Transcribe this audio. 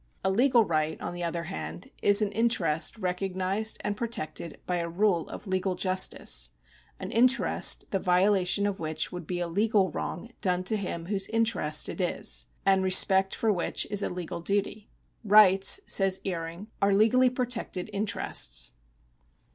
A legal right, on the other hand, is an interest recognised and protected by a rule of legal justice — an in terest the violation of which would be a legal wrong done to him whose interest it is, and respect for which is a legal duty. " Rights," says Ihering,^ " are legally protected interests."